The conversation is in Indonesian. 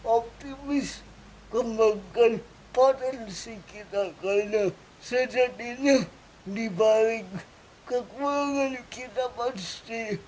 optimis kembangkan potensi kita karena sejadinya dibalik kekurangan kita pasti